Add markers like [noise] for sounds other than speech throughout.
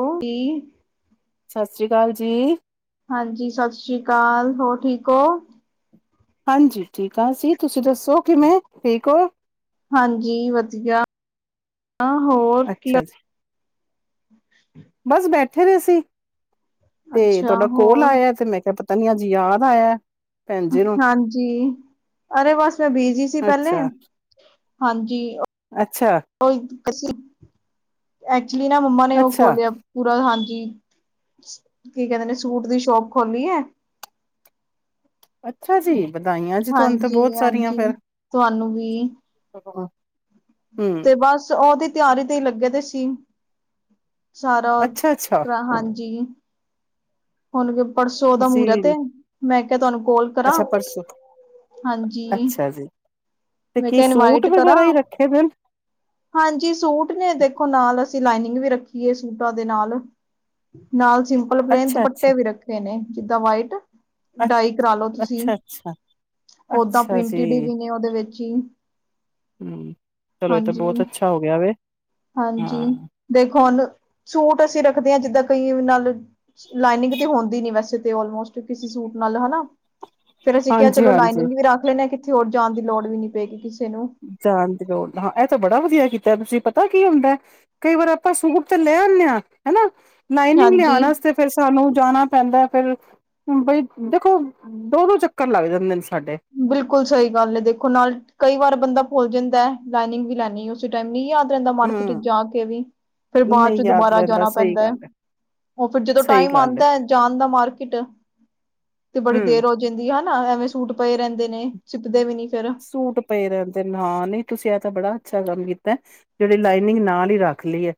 ਓਹ, ਕੀ? ਸਤਿ ਸ੍ਰੀ ਅਕਾਲ ਜੀ। ਹਾਂਜੀ, ਸਤਿ ਸ੍ਰੀ ਅਕਾਲ। ਹੋਰ ਠੀਕ ਓ? ਹਾਂਜੀ ਠੀਕਾ ਸੀ ਤੁਸੀਂ ਦੱਸੋ ਕਿਵੇਂ ਠੀਕ ਓ? ਹਾਂਜੀ ਵਧੀਆ ਹੋਰ ਕੀ ਅੱਛਾ ਜੀ, ਬਸ ਬੈਠੇ ਰੇ ਸੀ ਤੇ ਅੱਛਾ ਤੁਹਾਡਾ ਕੋਲ ਹੋਰ ਆਇਆ ਤੇ ਮੈਂ ਕਾ ਪ ਤੈਨੂੰ ਅੱਜ ਯਾਦ ਆਇਆ। ਭੈਣ ਜੀ ਨੂੰ, ਹਾਂਜੀ ਅਰੇ ਬਸ ਮੈਂ ਬਿਜੀ ਸੀ ਪਹਿਲੇ ਅੱਛਾ, ਹਾਂਜੀ। ਅੱਛਾ। ਓ ਈ ਅਸੀ ਐਕਚੁਲੀ ਨਾ ਮੰਮਾ ਨੇ ਓ ਅੱਛਾ, ਖੋਲਿਆ ਪੂਰਾ ਹਾਂਜੀ, ਕੀ ਕਹਿੰਦੇ ਨੇ, ਸੂਟ ਦੀ ਸ਼ੋਪ ਖੋਲੀ ਐ ਅੱਛਾ ਜੀ! ਵਧਾਈਆਂ ਜੀ, ਤੁਹਾਨੂੰ ਤੇ ਹਾਂਜੀ ਬਹੁਤ ਸਾਰੀਆਂ ਹਾਂਜੀ ਫਿਰ। ਤੁਹਾਨੂੰ ਵੀ ਤੇ ਬਸ, ਓਹਦੀ ਤਿਆਰੀ ਤੇ ਈ ਲੱਗੇਦੇ ਸੀ। ਸਾਰਾ, ਓ ਅੱਛਾ ਅੱਛਾ ਤਰ੍ਹਾਂ, ਹਾਂਜੀ। ਹੁਣ ਵੀ ਪਰਸੋਂ ਦਾ ਤੁਸੀਂ ਮਹੂਰਤ ਏ ਮੈਂ ਕਿਆ ਤੁਹਾਨੂੰ ਕੋਲ ਕਰਾਂ ਅੱਛਾ ਪਰਸੋਂ, ਹਾਂਜੀ। ਅੱਛਾ ਜੀ ਤੇ ਮੈਂ ਕੀ ਕਿਹਾ ਸੂਟ ਇਨਵਾਈਟ ਕਰਾਂ। ਵਗੈਰਾ ਈ ਰੱਖੇ [unintelligible] ਹਾਂਜੀ ਸੂਟ ਨੇ ਦੇਖੋ ਨਾਲ ਅਸੀਂ ਲਾਈਨਿੰਗ ਵੀ ਰੱਖੀਏ ਸੂਟਾਂ ਦੇ ਨਾਲ। ਨਾਲ ਸਿੰਪਲ ਪਲੇਨ ਅੱਛਾ ਅੱਛਾ, ਦੁਪੱਟੇ ਵੀ ਰੱਖੇ ਨੇ ਜਿੱਦਾਂ ਵਾਈਟ। ਅੱ ਡਾਈ ਕਰਾ ਲੋ ਤੁਸੀਂ ਅੱਛਾ ਅੱਛਾ, ਓਦਾਂ ਅੱਛਾ ਜੀ, ਪ੍ਰਿੰਟਿਡ ਵੀ ਨੇ ਓਦੇ ਵਿੱਚ ਈ। ਹੂੰ ਚਲੋ ਏ ਤਾਂ ਬੋਤ ਅੱਛਾ ਹੋ ਗਿਆ ਵੇ ਹਾਂ। [unintelligible] ਦੇਖੋ ਹੁਣ ਸੂਟ ਅਸੀਂ ਰੱਖਦੇ ਆਂ ਜਿੱਦਾਂ ਕਈ ਨਾਲ ਲਾਈਨਿੰਗ ਤੇ ਹੁੰਦੀ ਨੀ ਵੈਸੇ ਤੇ ਓਲਮੋਸਟ ਕਿਸੇ ਸੂਟ ਨਾਲ ਹਨਾ। ਫੇਰ ਅਸੀਂ ਕਿਆ ਹਾਂਜੀ ਚਲੋ ਹਾਂਜੀ ਲਾਈਨਿੰਗ ਵੀ ਰੱਖ ਲੈਂਨੇ ਆਂ ਕਿੱਥੇ ਹੋਰ ਜਾਣ ਦੀ ਲੋੜ ਵੀ ਨੀ ਪਏਗੀ ਕਿਸੇ ਨੂੰ। ਜਾਣ ਦੀ ਲੋੜ ਹਾਂ ਐ ਤਾਂ ਬੜਾ ਵਧੀਆ ਕੀਤਾ ਤੁਸੀਂ ਪਤਾ ਕੀ ਹੁੰਦੈ। ਕਈ ਵਾਰ ਆਪਾਂ ਸੂਟ ਤੇ ਲੈ ਆਨੇ ਆਂ ਹਨਾ ਲਾਈਨਿੰਗ ਲਿਆਣ ਹਾਂਜੀ। ਵਾਸਤੇ ਫੇਰ ਸਾਨੂੰ ਜਾਣਾ ਪੈਂਦੈ ਫੇਰ। ਬਈ ਦੇਖੋ ਦੋ-ਦੋ ਚੱਕਰ ਲੱਗ ਜਾਂਦੇ ਨੇ ਸਾਡੇ। ਬਿਲਕੁੱਲ ਸਈ ਗੱਲ ਐ ਦੇਖੋ ਨਾਲ ਕਈ ਵਾਰ ਬੰਦਾ ਭੁੱਲ ਜਾਂਦੈ ਲਾਈਨਿੰਗ ਵੀ ਲੈਣੀ ਉ ਉਸ ਟਾਈਮ ਨਈ ਯਾਦ ਰੈਂਦਾ ਮਾਰਕੀਟ ਚ ਹੂੰ ਜਾ ਕੇ ਵੀ। ਨਹੀਂ ਯਾਦ ਰਹਿੰਦਾ ਸਹੀ ਗੱਲ ਹੈ ਓ ਫਿਰ ਜਦੋਂ ਸਹੀ ਟਾਈਮ ਗੱਲ ਹੈ ਆਂਦੈ ਜਾਣ ਦਾ ਮਾਰਕੀਟ ਤੇ ਬੜੀ ਹੂੰ ਦੇਰ ਹੋ ਜਾ ਜਾਂਦੀ ਹਨਾ ਐਵੇਂ ਸੂਟ ਪਏ ਰੈਂਦੇ ਨੇ ਸਿਪਦੇ ਵੀ ਨੀ ਫੇਰ। ਸੂਟ ਪਏ ਰੈਂਦੇ ਨਾ ਨਈ ਤੁਸੀਂ ਐ ਤਾਂ ਬੜਾ ਅੱਛਾ ਕੰਮ ਕੀਤੈ। ਜੇੜੀ ਲਾਈਨਿੰਗ ਨਾਲ ਈ ਰੱਖ ਲਈ ਐ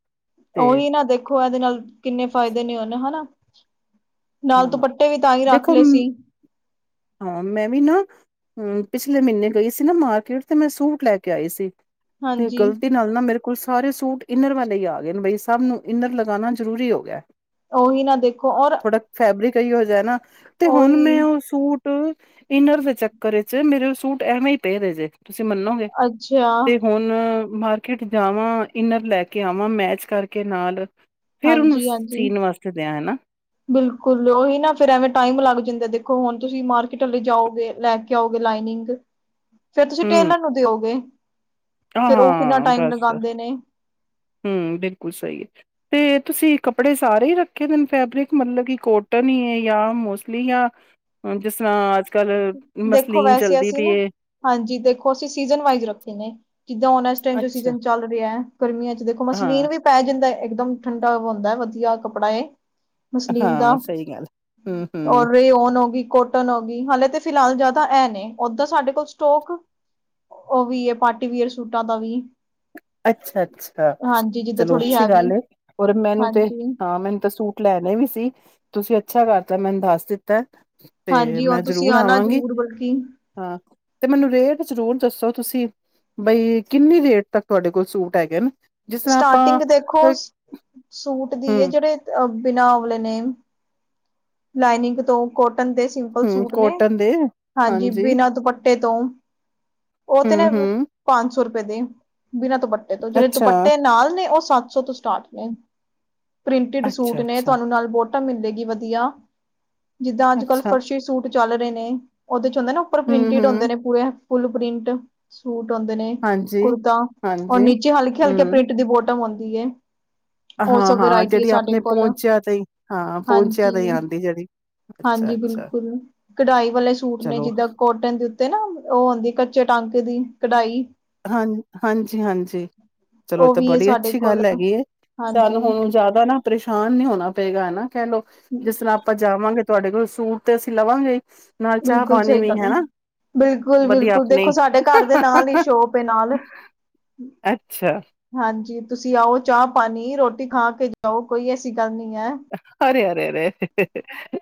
ਓਹੀ ਨਾ ਦੇਖੋ ਐਦੇ ਨਾਲ ਕਿੰਨੇ ਫਾਇਦੇ ਨੇ ਹੁਣ ਹਨਾ। ਨਾਲ ਹਾਂ ਦੁਪੱਟੇ ਵੀ ਤਾਂ ਈ ਰੱਖ ਦੇਖੋ ਲੇ ਸੀ। ਹਾਂ ਮੈਂ ਵੀ ਨਾ ਹੂੰ ਪਿਛਲੇ ਮੀਨੇ ਗਈ ਸੀ ਨਾ ਮਾਰਕੀਟ ਤੇ ਮੈਂ ਸੂਟ ਲੈ ਕੇ ਆਈ ਸੀ ਤੇ ਹਾਂਜੀ ਗ਼ਲਤੀ ਨਾਲ ਨਾ ਮੇਰੇ ਕੋਲ ਸਾਰੇ ਸੂਟ ਇਨਰ ਵਾਲੇ ਈ ਆ ਗਏ ਨੇ ਬਈ ਸਭ ਨੂੰ ਇਨਰ ਲਗਾਣਾ ਜਰੂਰੀ ਹੋ ਗਿਐ। ਓਹੀ ਨਾ ਦੇਖੋ ਔਰ ਫੈਬਰਿਕ ਏਹਿਓ ਜਾ ਨਾ ਤੇ ਹੁਣ ਉਹੀ ਮੈਂ ਓ ਸੂ ਟ ਇਨਰ ਦੇ ਚੱਕਰ ਵਿੱਚ ਮੇਰੇ ਸੂਟ ਐਵੇਂ ਈ ਪਏ ਦੇ ਜੇ ਤੁਸੀਂ ਮੰਨੋ ਅੱਛਾ ਤੇ ਹੁਣ ਮਾਰਕੀਟ ਜਾਵਾ ਇਨਰ ਲੈ ਕੇ ਆਵਾ ਮੈਚ ਕਰਕੇ ਨਾਲ ਫੇਰ ਉਹਨੂੰ ਹਾਂਜੀ ਹਾਂਜੀ ਸੀਣ ਵਾਸਤੇ ਦਿਆ ਹਨਾ ਬਿਲਕੁਲ ਉਹੀ ਨਾ ਫੇਰ ਐਵੇ ਟਾਈਮ ਲਗ ਜਾਦਾ ਦੇਖੋ ਹੁਣ ਤੁਸੀ ਮਾਰਕੀਟ ਵਾਲੇ ਜਾਓਗੇ ਲੈ ਕੇ ਓਗੇ ਲਾਈਨਿਗ ਫੇਰ ਤੁਸੀ ਹੂੰ ਟੇਲਰ ਨੂੰ ਦਿਓਗੇ ਫੇਰ ਉਹ ਕਿਨਾ ਹਾਂ ਟਾਈਮ ਲਗਾਉਦੇ ਨੇ ਹਮ ਬਿਲਕੁਲ ਸਹੀ ਹੈ। ਤੇ ਤੁਸੀ ਕੱਪੜੇ ਸਾਰੇ ਹੀ ਰਖੇ ਨੇ ਫੈਬਰਿਕ ਮਤਲਬ ਕਿ ਕੋਟਨ ਹੀ ਹੈ। ਜਾਂ ਮੋਸਟਲੀ ਜਾਂ ਹੁਣ ਜਿਸ ਤਰਾ ਅਜ ਕਲ ਦੇਖੋ ਮਸਲੀਨ ਵੈਸੇ ਚਲਦੀ ਅਸੀਂ ਪਈ ਨਾ ਏ ਹਾਂਜੀ ਦੇਖੋ ਅਸੀ ਸੀਜ਼ਨ ਵਾਈਜ਼ ਰਖੇ ਨੇ ਜਿਦਾਂ ਹੁਣ ਇਸ ਟਾਈਮ ਜੋ ਅੱਛਾ। ਸੀਜਨ ਚਲ ਰਿਹਾ ਹੈ। ਗਰਮੀਆਂ 'ਚ ਹਾਂ, ਮਸਲੀਨ ਵੀ ਪੈ ਜਾਦਾ ਇਕਦਮ ਠੰਡਾ ਹੁਦਾ ਵਧੀਆ ਕੱਪੜਾ ਮਸਲੀਮ ਦਾ ਹਾਂ ਸਹੀ ਗੱਲ ਹੂੰ-ਹੂੰ, ਔਰ ਰੇਓਨ ਹੋ ਗਈ ਕੋਟਨ ਹੋ ਗਈ ਹਾਲੇ ਤੇ ਫਿਲਹਾਲ ਜ਼ਿਆਦਾ ਇਹ ਨੇ ਉਦਾ ਸਾਡੇ ਕੋਲ ਸਟੋਕ ਉਹ ਵੀ ਹੈ। ਪਾਰਟੀ ਵੇਅਰ ਸੂਟਾਂ ਦਾ ਵੀ। ਅਛਾ- ਅਛਾ, ਹਾਂਜੀ ਜਿੱਦਾਂ ਚਲੋ ਥੋੜ੍ਹੀ ਅਛੀ ਹੈਵੀ ਗਲ ਹੈ। ਔਰ ਮੈਨੂੰ ਤੇ, ਹਾਂਜੀ ਹਾਂ ਮੈਨੂੰ ਤਾਂ ਸੂਟ। ਲੈਣੇ ਵੀ ਸੀ। ਤੁਸੀ ਅਛਾ ਕਰਤਾ, ਮੈਨੂੰ ਦਸ ਦਿਤਾ। ਤੇ ਹਾਂਜੀ ਮੈਂ, ਹੁਣ ਤੁਸੀਂ ਜਰੂਰ ਆਣਾ ਆਵਾਂਗੀ। ਜ਼ਰੂਰ ਬਲਕਿ ਹਾਂ। ਤੇ ਮੈਨੂੰ ਰੇਟ, ਜਰੂਰ ਦਸੋ ਤੁਸੀ। ਬਈ ਕਿਨੀ ਰੇਟ ਤੱਕ। ਤੁਹਾਡੇ ਕੋਲ ਸੂਟ ਹੈਗੇ ਨੇ ਜਿਸ ਤਰ੍ਹਾਂ ਆਪਾਂ ਸਟਾਰਟਿੰਗ ਦੇਖੋ ਸੂਟ ਦੀ ਹ ਜਿਹੜੇ ਅ ਬਿਨਾ ਅਵਲੇ ਨੇ ਲਾਈਨਿੰਗ ਤੋਂ, ਕੋਟਨ ਦੇ ਸਿੰਪਲ ਹੂੰ-ਹੂੰ ਸੂਟ ਨੇ। ਕੋਟਨ ਦੇ ਹਾਂਜੀ, ਬਿਨਾਂ ਦੁਪੱਟੇ। ਤੇ, ਤੋਂ ਉਹ ਤੇ ਨਾ, ਹੂੰ-ਹੂੰ, ਪੰਜ ਸੌ ਰੁਪਏ ਦੇ। ਬਿਨਾ ਦੁਪੱਟੇ। ਤੇ ਜਿਹੜੇ ਅੱਛਾ, ਦੁਪੱਟੇ, ਨਾਲ ਨੇ ਉਹ, ਸੱਤ ਸੋ ਤੋ ਸਟਾਰਟ ਨੇ। ਪ੍ਰਿੰਟਿਡ ਸੂਟ ਨੇ। ਅੱਛਾ-ਅੱਛਾ, ਤੁਹਾਨੂੰ ਨਾਲ ਬੋਟਾਮ ਮਿਲੇਗੀ ਵਧੀਆ। ਜਿਦਾਂ ਅਜ ਕਲ, ਅੱਛਾ ਫਰਸ਼ੀ ਸੂਟ ਚਲ ਰਹੇ ਨੇ। ਉਹਦੇ ਚ ਹੁਦੇ ਨਾ, ਉਪਰ ਪ੍ਰਿੰਟਿਡ ਹੂੰ-ਹੂੰ, ਹੁਦੇ ਨੇ, ਪੂਰੇ। ਫੁੱਲ ਪ੍ਰਿੰਟ ਸੂਟ, ਆਉਦੇ ਨੇ। ਹਾਂਜੀ, ਕੁੜਤਾ ਔਰ ਹਾਂਜੀ, ਨੀਚੇ, ਹਲਕੇ- ਹਲਕੀ ਹੂੰ, ਪ੍ਰਿੰਟ ਦੀ ਬੋਰਡਰ। ਬੋਟਮ ਆਉਦੀ ਏ। ਉਹ ਸਭ, ਹਾਂ-ਹਾਂ ਵਰਾਇਟੀ, ਜਿਹੜੀ ਸਾਡੇ ਆਪਣੇ ਕੋਲ ਆ, ਪਹੁੰਚਿਆ ਤੇ ਹੀ ਹਾਂ ਪਹੁੰਚਿਆ ਤੇ ਹੀ ਹਾਂਜੀ। ਆਂਦੀ ਜਿਹੜੀ ਹਾਂਜੀ, ਅੱਛਾ-ਅੱਛਾ ਬਿਲਕੁਲ। ਕਢਾਈ ਵਾਲੇ, ਸੂਟ ਨੇ ਚਲੋ ਜਿੱਦਾਂ ਕੋਟਨ ਦੇ ਉਤੇ, ਨਾ ਉਹ ਹੁਦੀ, ਕਚੇ ਟਾਂਕੇ ਦੀ ਕਢਾਈ। ਹਾਂ, ਹਾਂਜੀ- ਹਾਂਜੀ। ਚਲੋ ਏ ਉਹ ਤਾਂ, ਵੀ ਹੈ ਬੜੀ ਸਾਡੇ ਅਛੀ ਕੋਲ ਗਲ ਹੈਗੀ ਹੈ। ਹਾਂਜੀ ਸਾਨੂੰ ਹੁਣ ਜਿਆਦਾ ਨਾ। ਪਰੇਸ਼ਾਨ ਨੀ, ਹੋਣਾ ਪਏਗਾ। ਹਨਾ, ਕਹਿ ਲਓ ਜਿਸ ਤਰਾਂ। ਆਪਾ ਸੁਣਾਵਾਂਗੇ ਵੀ ਤੁਹਾਡੇ ਕੋਲ। ਸੂਟ ਤੇ ਅਸੀ ਲਵਾਗੇ ਹੀ। ਬਿਲਕੁਲ ਸਹੀ ਗਲ ਐ। ਬਿਲਕੁਲ- ਵਧੀਆ ਬਿਲਕੁਲ ਦੇਖੋ ਆਪਣੀ ਸਾਡੇ, ਘਰ ਦੇ ਨਾਲ ਹੀ ਸ਼ੋਪ। ਤੇ ਨਾਲ। ਅੱਛਾ ਹਾਂਜੀ, ਤੁਸੀ ਆਓ। ਚਾਹ- ਪਾਣੀ, ਰੋਟੀ ਖਾ ਕੇ ਜਾਓ। ਕੋਈ ਐਸੀ ਗਲ ਨਹੀ ਹੈ। ਹਰੇ, ਹਰੇ, ਅਰੇ।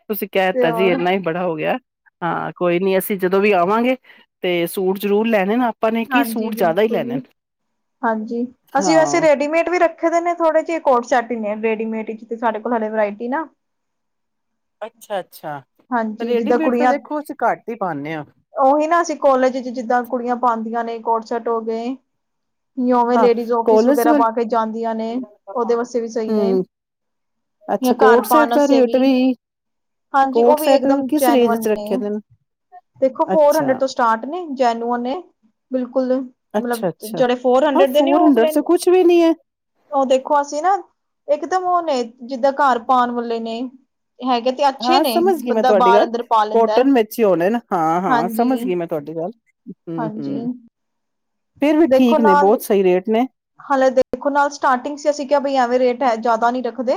ਤੁਸੀ ਕਹਿ ਤੇ ਤਾ ਜੀ, ਹੋਰ ਇਨਾ ਹੀ। ਬੜਾ ਹੋ ਗਿਆ। ਹਾਂ, ਕੋਈ ਨੀ। ਅਸੀ ਜਦੋ ਵੀ ਆਵਾਗੇ। ਤੇ ਸੂਟ ਜਰੂਰ ਲੈਣੇ ਨਾ। ਹਾਂਜੀ, ਬਿਲਕੁਲ ਜੀ, ਹਾਂਜੀ। ਅਸੀ ਵੈਸੇ, ਹਾਂ। ਰੈਡੀਮੇਡ ਵੀ ਰਖੇ। ਰਖੇ ਦੇ ਨੇ ਥੋੜੇ ਜਿਹੇ। ਕੋਟ ਸੈਟ ਹੀ ਨੇ, ਰੈਡੀੇਡ ਚ ਸਾਡੇ ਕੋਲ ਹਲੇ, ਵਰਾਇਟੀ ਨਾ- ਅਛਾ- ਅਛਾ, ਹਾਂਜੀ ਜਿੱਦਾਂ ਰੇਡੀਮੇਡ ਤਾਂ ਕੁੜੀਆਂ ਦੇਖੋ, ਅਸੀ ਘੱਟ ਹੀ ਪਾਉਦੇ ਹਾਂ। ਉਹੀ ਨਾ, ਅਸੀ ਕੋਲਜ ਚ, ਜਿਦਾਂ ਕੁੜੀਆਂ ਪਾਉਂਦੀਆਂ ਨੇ। ਕੋਟਸੈਟ ਹੋ ਗਏ। ਨੀ ਔਵੇਂ ਹਾਂ ਲੇਡੀਜ਼, ਆਫਿਸ ਕੋਲਜ ਵਗੈਰਾ, ਵੱਲ ਪਾ ਕੇ ਜਾਦੀਆਂ ਨੇ। ਉਹਦੇ ਵਾਸਤੇ ਵੀ ਸਹੀ ਨੇ। ਜਾਂ ਅਛਾ, ਘਰ ਕੋਟ ਸੈਟ ਦਾ ਰੇਟ ਵੀ। ਜੀ ਉਹ ਕੋਟ ਵੀ, ਸੈਟ ਇਕਦਮ ਕਿਸ ਰੇਂਜ ਜੈਨਵਨ ਚ ਨੇ। ਰੱਖੇ ਦੇ ਦੇਖੋ ਫੋਰ ਅੱਛਾ, ਹੰਡਰਡ, ਤੋਂ ਸਟਾਰਟ ਨੇ ਜੈਨਵਨ ਨੇ। ਬਿਲਕੁਲ, ਮਤਲਬ ਅੱਛਾ, ਅੱਛਾ ਜਿਹੜੇ ਫੋਰ ਹਾਂ ਹੰਡਰਡ ਦੇ ਨੇ। ਫੋਰ ਹੰਡਰਡ ਉਹਲੇ। ਚ ਕੁਛ ਵੀ ਨੀ ਐ। ਉਹ ਦੇਖੋ, ਅਸੀ ਨਾ। ਇਕਦਮ ਉਹ ਨੇ, ਜਿਦਾਂ ਘਰ ਪਾਉਣ ਵਾਲੇ ਨੇ। ਹੈਗੇ ਤੇ ਅਛੇ ਹਾਂ ਨੇ। ਸਮਝ ਗਣੀ, ਮੈਂ ਬੰਦਾ ਤੁਹਾਡੀ ਬਾਹਰ ਗਲ, ਅੰਦਰ ਪਾ ਲੈਂਦਾ ਕੋਰਟਨ ਵਿਚ ਹੀ ਆਉਣਾ ਹੈ ਨਾ। ਹਾਂ- ਹਾਂ, ਹਾਂਜੀ ਸਮਝ ਗਈ ਮੈ। ਤੁਹਾਡੀ ਗੱਲ। ਹਾਂਜੀ ਹੂੰ-ਹੂੰ, ਫੇਰ ਵੀ ਦੇਖੋ ਠੀਕ ਨੇ। ਨਾਲ ਬਹੁਤ ਸਹੀ ਰੇਟ ਨੇ। ਹਾਲੇ ਦੇਖੋ ਨਾ, ਸਟਾਰਟਿੰਗ ਚ ਅਸੀਂ ਕਿਹਾ, ਐਵੇਂ ਰੇਟ ਜ਼ਿਆਦਾ ਨਹੀਂ ਰੱਖਦੇ।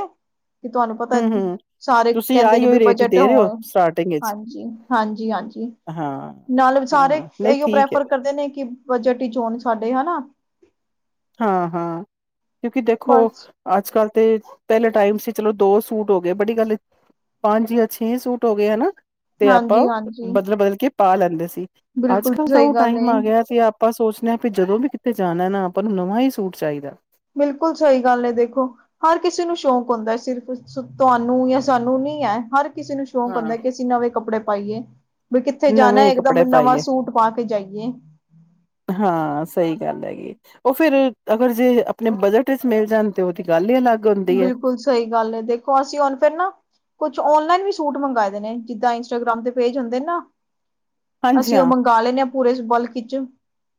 ਕਿ ਤੁਹਾਨੂੰ ਪਤਾ, ਹੂੰ ਹੂੰ ਸਾਰੇ ਤੁਸੀਂ ਕਹਿੰਦੇ ਆਈ ਨੇ ਵੀ ਹੋਈ ਰੇਟ ਬਜਟ ਦੇ ਰਹੇ ਹੋ ਹੋਣ ਸਟਾਰਟਿੰਗ ਵਿੱਚ ਹਾਂਜੀ, ਹਾਂਜੀ- ਹਾਂਜੀ। ਹਾਂ ਨਾਲ ਸਾਰੇ, ਹਾਂ ਨਹੀਂ ਇਹੀਓ ਠੀਕ ਹੈ ਪ੍ਰੈਫਰ ਕਰਦੇ ਨੇ ਕਿ। ਬਜਟ ਵਿਚ ਹੋਣ ਸਾਡੇ, ਹਨਾ। ਹਾਂ- ਹਾਂ, ਕਿਉਂਕਿ ਦੇਖੋ। ਬਸ ਅੱਜ ਕੱਲ ਤੇ, ਪਹਿਲੇ ਟਾਈਮ ਸੀ। ਚਲੋ ਦੋ ਸੂਟ ਹੋ ਗਏ, ਬੜੀ ਗੱਲ ਹੈ। ਪੰਜ ਜਾਂ ਛੇ ਸੂਟ ਹੋ ਗਏ, ਹਨਾ। ਤੇ ਆਪਾਂ, ਹਾਂਜੀ ਉਹ ਹਾਂਜੀ ਬਦਲ- ਬਦਲ ਕੇ ਪਾ ਲੈਂਦੇ ਸੀ। ਅੱਜ ਬਿਲਕੁਲ ਕਲ ਤਾਂ, ਸਹੀ ਉਹ ਗੱਲ ਟਾਈਮ ਏ ਆ ਗਿਆ ਸੀ। ਆਪ, ਆਪਾਂ ਸੋਚਦੇ ਹਾਂ। ਵੀ ਜਦੋਂ ਵੀ, ਕਿੱਥਤੇ ਜਾਣਾ ਨਾ। ਆਪਾਂ ਨੂੰ, ਨਵਾਂ ਹੀ ਸੂਟ ਚਾਹੀਦਾ। ਬਿਲਕੁਲ, ਸਹੀ ਗੱਲ ਹੈ। ਦੇਖੋ, ਹਰ ਕਿਸੇ ਨੂੰ ਸ਼ੌਕ ਹੁੰਦਾ। ਸਿਰਫ, ਤੁਹਾਨੂੰ ਜਾਂ ਸਾਨੂੰ ਨੀ ਹੈ ਹਰ ਕਿਸੇ ਨੂੰ ਸ਼ੌਂਕ ਹਾਂ ਹੁੰਦਾ ਕਿ ਅਸੀਂ ਨਵੇਂ ਕੱਪੜੇ ਪਾਈਏ। ਵੀ ਕਿੱਥੇ ਨਵੇਂ ਜਾਣਾ ਹੀ ਇੱਕ ਦਮ ਕੱਪੜੇ ਨਵਾਂ ਪਾਈਏ ਸੂਟ ਪਾ ਕੇ ਜਾਈਏ। ਹਾਂ ਸਹੀ ਗੱਲ ਹੈਗੀ ਏ। ਉਹ ਫੇਰ ਅਗਰ ਜੇ ਆਪਣੇ ਬਜਟ ਵਿੱਚ ਮਿਲ ਜਾਣ ਤੇ ਉਹਦੀ ਗੱਲ ਹੀ ਅਲੱਗ ਹੁੰਦੀ ਹੈ। ਬਿਲਕੁਲ ਸਹੀ ਗੱਲ ਹੈ ਦੇਖੋ ਅਸੀਂ ਹੁਣ ਫਿਰ ਨਾ ਕੁਛ ਓਨਲਾਈਨ ਵੀ ਸੂਟ ਮੰਗਾਏ ਦੇ ਨੇ ਜਿੱਦਾਂ ਇੰਸਟਾਗ੍ਰਾਮ ਦੇ ਪੇਜ ਹੁੰਦੇ ਨੇ ਨਾ। ਹਾਂਜੀ ਅਸੀਂ ਉਹ ਹਾਂ ਮੰਗਾ ਲੈਂਦੇ ਹਾਂ ਪੂਰੇ ਬਲਕ ਵਿੱਚ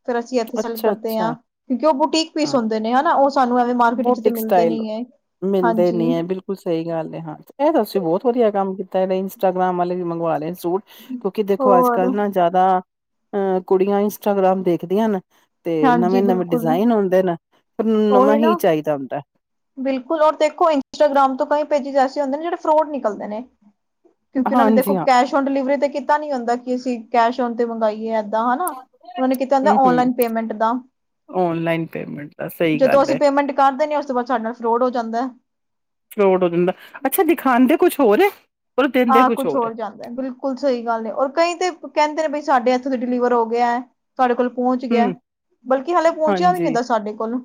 ਫੇਰ ਅਸੀਂ ਇਥੇ ਸੈਲਫ ਅੱਛਾ ਕਰਦੇ ਅੱਛਾ ਹਾਂ। ਕਿਉਂਕਿ ਉਹ, ਬੁਟੀਕ ਪੀਸ ਹਾਂ ਹੁੰਦੇ ਨੇ। ਹਨਾ, ਉਹ ਸਾਨੂੰ ਐਵੇਂ ਮਾਰਕੀਟ ਵਿੱਚ, ਤੇ ਬੋਟਿਕ ਮਿਲਦੇ ਸਟਾਈਲ ਨੀ ਹੈ। ਮਿਲਦੇ ਹਾਂਜੀ ਨੀ ਹੈ, ਬਿਲਕੁਲ। ਸਹੀ ਗੱਲ ਹਾਂ। ਇਹ ਤੁਸੀਂ ਬਹੁਤ, ਵਧੀਆ ਕੰਮ ਕੀਤਾ। ਇਹ ਇੰਸਟਾਗ੍ਰਾਮ ਵਾਲੇ ਵੀ ਮੰਗਵਾ ਲਏ ਸੂਟ। ਕਿਉਂਕਿ, ਦੇਖੋ ਅੱਜ ਹੋਰ ਕੱਲ ਨਾ, ਜ਼ਿਆਦਾ ਅਹ ਕੁੜੀਆਂ ਇੰਸਟਾਗ੍ਰਾਮ ਦੇਖਦੀਆਂ ਹਨ। ਤੇ ਹਾਂਜੀ ਨਵੇਂ -ਨਵੇਂ ਬਿਲਕੁਲ ਡਿਜ਼ਾਇਨ ਹੁੰਦੇ ਨੇ ਫੇਰ ਉਹਨਾਂ ਨੂੰ ਨਵਾਂ ਉਹੀ ਹੀ ਨਾ ਚਾਹੀਦਾ ਹੁੰਦਾ। ਬਿਲਕੁਲ ਔਰ ਦੇਖੋ ਇੰਸਟਾਗ੍ਰਾਮ ਤੋਂ ਕਈ ਪੇਜ ਐਸੇ ਹੁੰਦੇ ਨੇ ਜਿਹੜੇ ਫਰੋਡ ਨਿਕਲਦੇ ਨੇ। ਕਿਉਂਕਿ ਉਹਨਾਂ ਨੇ ਦੇਖੋ ਹਾਂਜੀ ਹਾਂ ਕੈਸ਼ ਓਨ ਡਿਲੀਵਰੀ ਤੇ ਕੀਤਾ ਨੀ ਹੁੰਦਾ ਕਿ ਅਸੀਂ ਕੈਸ਼ ਓਨ ਤੇ ਮੰਗਾਈਏ। ਦਾ ਹਨਾ ਉਹਨਾਂ ਨੇ ਕੀਤਾ ਹੁੰਦਾ ਔਨਲਾਈਨ ਪੇਮੈਂਟ ਦਾ ਔਨਲਾਈਨ ਪੇਮੈਂਟ ਦਾ ਸਹੀ ਜਦੋਂ ਗੱਲ ਹੈ ਅਸੀਂ ਪੇਮੈਂਟ ਕਰ ਦਦੇ ਹਾਂ ਉਸ ਤੋਂ ਬਾਅਦ ਸਾਡੇ ਨਾਲ ਫਰੋਡ ਹੋ ਜਾਂਦਾ। ਫਰੋਡ ਹੋ ਜਾਂਦਾ ਅੱਛਾ ਦਿਖਾਂਦੇ ਕੁਛ ਹੋਰ ਪਰ ਦਿੰਦੇ ਆਹ ਕੁਛ ਕੁੱਛ ਏ ਹੋਰ ਜਾਂਦਾ। ਬਿਲਕੁਲ ਸਹੀ ਗੱਲ ਨੇ ਔਰ ਕਈ ਤੇ ਕਹਿੰਦੇ ਨੇ ਬ ਸਾਡੇ ਇੱਥੋਂ ਡਿਲੀਵਰ ਹੋ ਗਿਆ ਹੈ। ਸਾਡੇ ਕੋਲ ਪਹੁੰਚ ਗਿਆ ਹੂੰ ਬਲਕਿ ਹਲੇ ਪਹੁੰਚਿਆ ਵੀ ਨਹੀਂ ਹਾਂਜੀ ਹੁੰਦਾ ਸਾਡੇ ਕੋਲੋਂ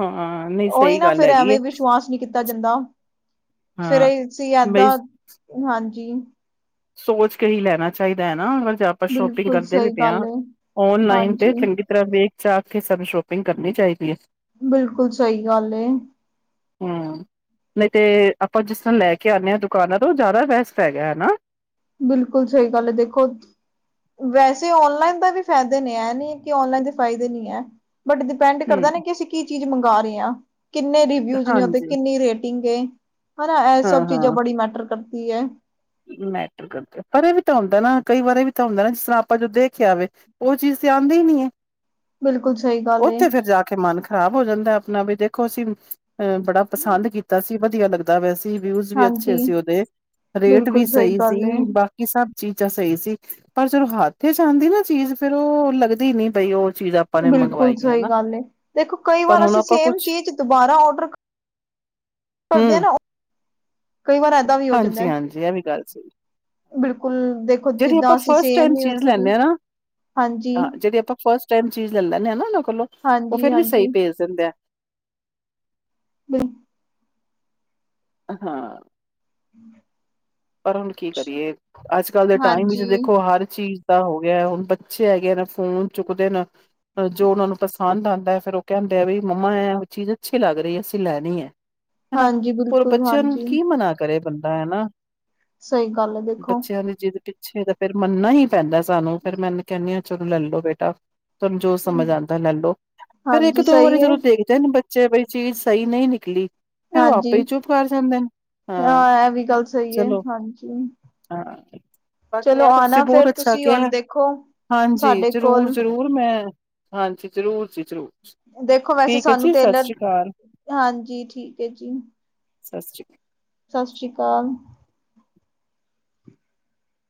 ਹਾਂ ਨਹੀਂ ਉਹੀ ਸਹੀ ਨਾ ਗੱਲ ਫੇਰ ਹੈਗੀ ਏ ਐਵੇਂ ਵਿਸ਼ਵਾਸ ਨਹੀਂ ਕੀਤਾ ਜਾਂਦਾ। ਫੇਰ ਹਾਂ ਸੀ ਬਈ ਜਾਦਾਂ ਹਾਂਜੀ। ਸੋਚ ਕੇ ਹੀ ਲੈਣਾ ਚਾਹੀਦਾ ਹੈ ਨਾ ਅਗਰ ਜੇ ਆਪਾਂ ਸ਼ੋਪਿੰਗ ਬਿਲਕੁਲ ਕਰਦੇ ਵੀ ਸਹੀ ਪਏ ਹਾਂ ਗੱਲ ਏ ਓਨਲਾਈਨ ਤੇ ਹਾਂਜੀ ਚੰਗੀ ਤਰਾਂ ਵੇਖ ਚਾਖ ਕੇ ਸਾਨੂੰ ਸ਼ੋਪਿੰਗ ਕਰਨੀ ਚਾਹੀਦੀ ਹੈ। ਬਿਲਕੁਲ ਸਹੀ ਗੱਲ ਏ। ਹੂੰ ਨਹੀਂ ਤੇ ਆਪਾਂ ਜਿਸ ਤਰ੍ਹਾਂ ਲੈ ਕੇ ਆਉਣੇ ਹਾਂ ਦੁਕਾਨਾਂ ਤੋਂ ਉਹ ਜ਼ਿਆਦਾ ਬੈਸਟ ਹੈਗਾ ਹਨਾ। ਬਿਲਕੁਲ ਸਹੀ ਗੱਲ ਹੈ ਦੇਖੋ। ਵੈਸੇ ਔਨਲਾਈਨ ਦਾ ਵੀ ਫਾਇਦੇ ਨੇ ਇਹ ਨੀ ਕਿ ਔਨਲਾਈਨ ਦੇ ਫਾਇਦੇ ਨੀ ਹੈ। ਬਟ ਡਿਪੈਂਡ ਹੂੰ ਕਰਦਾ ਨਾ ਕਿ ਅਸੀਂ ਕੀ ਚੀਜ਼ ਮੰਗਾ ਰਹੇ ਹਾਂ ਕਿੰਨੇ ਦੀ ਦੇ ਹਾਂਜੀ ਕਿੰਨੀ ਰੇਟਿੰਗ ਏ ਹਨਾ ਇਹ ਹਾਂ ਸਭ ਚੀਜ਼ਾਂ ਹਾਂ ਬੜੀ ਮੈਟਰ ਕਰਦੀ ਹੈ। ਮੈਟਰ ਕਰਦੇ ਪਰ ਇਹ ਵੀ ਤਾਂ ਹੁੰਦਾ ਨਾ ਕਈ ਵਾਰੀ ਇਹ ਵੀ ਹੁੰਦਾ ਨਾ ਜਿਸ ਤਰ੍ਹਾਂ ਆਪਾਂ ਜੋ ਦੇਖਿਆ ਆਵੇ ਉਹ ਚੀਜ਼ ਤਾਂ ਆਂਦੀ ਹੀ ਨੀ ਹੈ। ਬਿਲਕੁਲ ਸਹੀ ਗੱਲ ਏ ਉੱਥੇ ਫਿਰ ਜਾ ਕੇ ਮਨ ਖ਼ਰਾਬ ਹੋ ਜਾਂਦਾ ਆਪਣਾ ਵੀ ਦੇਖੋ ਅਸੀ ਅ ਬੜਾ ਪਸੰਦ ਕੀਤਾ ਸੀ ਵਧੀਆ ਲੱਗਦਾ ਪਿਆ ਸੀ ਵਿਊਜ ਵੀ ਹਾਂਜੀ। ਅੱਛੇ ਸੀ ਉਹਦੇ ਰੇਟ ਵੀ ਬਿਲਕੁਲ ਸਹੀ ਗੱਲ ਏ ਸੀ ਬ ਕਿ ਸਭ ਚੀਜ਼ਾਂ ਸਹੀ ਸੀ ਪਰ ਜਦੋਂ ਹੱਥ 'ਚ ਆਂਦੀ ਨਾ ਚੀਜ਼ ਫੇਰ ਉਹ ਲੱਗਦੀ ਨੀ ਬਈ ਉਹ ਚੀਜ਼ ਆ ਬਿਲਕੁਲ ਸਹੀ ਗੱਲ ਏ ਦੇਖੋ ਕਈ ਪਰ ਵਾਰ ਹੁਣ ਅਸੀਂ ਆਪਾਂ ਸੇਮ ਕੁਛ ਚੀਜ਼ ਦੁਬਾਰਾ ਔਡਰ ਕਰਦੇ ਹਮ ਨਾ ਉਹ ਕਈ ਵਾਰ ਇ ਹਾਂਜੀ- ਹਾਂਜੀ ਇਹ ਵੀ ਗੱਲ ਸਹੀ। ਬਿਲਕੁਲ ਦੇਖੋ ਜਿਹੜੀ ਆਪਾਂ ਜਿੱਦਾਂ ਅਸੀਂ ਫਸਟ ਟਾਈਮ ਸੇਮ ਹੀ ਚੀਜ਼ ਉੱਥੋਂ ਦੀ ਲੈਂਦੇ ਆ ਨਾ। ਹਾਂਜੀ। ਹਾਂ ਜਿਹੜੀ ਆਪਾਂ ਫਸਟ ਟਾਈਮ ਚੀਜ਼ ਲੈ ਲੈਂਦੇ ਹਾਂ ਨਾ ਉਹਨਾਂ ਕੋਲੋਂ ਉਹ ਫੇਰ ਵੀ ਹਾਂਜੀ-ਹਾਂਜੀ ਸਹੀ ਭੇਜ ਦਿੰਦੇ ਆ। ਬਿਲ ਹਾਂ। ਪਰ ਹੁਣ ਕੀ ਕਰੀਏ ਅੱਜ ਕੱਲ ਦੇ ਟਾਈਮ ਵਿੱਚ ਹਾਂਜੀ। ਦੇਖੋਂ ਹਰ ਚੀਜ਼ ਪਤਾ ਹੋ ਗਿਆ ਹੁਣ ਬੱਚੇ ਹੈਗੇ ਨੇ ਫੋਨ ਚੁੱਕਦੇ ਨੇ ਜੋ ਉਹਨਾਂ ਨੂੰ ਪਸੰਦ ਆਉਦਾ ਐ ਫੇਰ ਉਹ ਕਹਿੰਦੇ ਆ ਬਈ ਮੰਮਾ ਐ ਉਹ ਚੀਜ਼ ਅੱਛੀ ਲੱਗ ਰਹੀ ਐ ਅਸੀਂ ਲੈਣੀ ਐ। ਹਨਾ ਹਾਂਜੀ ਹੋਰ ਬਿਲਕੁਲ ਬੱਚਿਆਂ ਨੂੰ ਹਾਂਜੀ ਕੀ ਮਨਾ ਕਰੇ ਬੰਦਾ ਹਨਾ। ਸਹੀ ਗੱਲ ਐ ਦੇ ਬੱਚਿਆਂ ਦੇ ਜਿਦ ਪਿੱਛੇ ਤਾਂ ਫੇਰ ਮੰਨਨਾ ਹੀ ਪੈਂਦਾ ਸਾਨੂੰ ਫੇਰ ਮੈਂ ਇਹਨੂੰ ਕਹਿੰਦੀ ਹ ਚਲੋ ਲੈ ਲੋ ਬੇਟਾ ਤੁਹਾਨੂੰ ਜੋ ਸਮਝ ਆਉਂਦਾ ਲੈ ਲੋ। ਫਿਰ ਇੱਕ ਹਾਂਜੀ ਦੋ ਵਾਰੀ ਸਹੀ ਹੈ ਜਦੋਂ ਦੇਖਦੇ ਬੱਚੇ ਬਈ ਚੀਜ਼ ਸਹੀ ਨਹੀਂ ਨਿਕਲੀ। ਫਿਰ ਉਹ ਆਪੇ ਹਾਂਜੀ ਹੀ ਚੁੱਪ ਕਰ ਜਾਂਦੇ ਨੇ ਹਾਂ। ਇਹ ਵੀ ਗੱਲ ਸਹੀ ਹੈ ਚਲੋਂ ਹਾਂਜੀ ਹਾਂ ਹਾਂਜੀ ਚਲੋ ਇਹ ਆਣਾ ਸਕੂਟ ਫੇਰ ਅੱਛਾ ਤੁਸੀਂ ਹੁਣ ਗਿਆ ਦੇਖੋ ਹਾਂਜੀ ਸਾਡੇ ਜ਼ਰੂਰ ਕੋਲ ਜ਼ਰੂਰ ਮੈਂ ਹਾਂਜੀ ਜ਼ਰੂਰ ਜੀ ਜ਼ਰੂਰ। ਦੇਖੋ ਵੈਸੇ ਠੀਕ ਹੈ ਸਾਨੂੰ ਜੀ ਸਤਿ ਟੇਲਰ ਸ਼੍ਰੀ ਅਕਾਲ ਹਾਂਜੀ ਠੀਕ ਐ ਜੀ। ਸਤਿ ਸ਼੍ਰੀ ਸਤਿ ਸ਼੍ਰੀ ਅਕਾਲ।